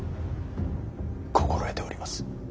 心得ております。